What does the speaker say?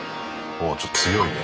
おおちょっと強いね。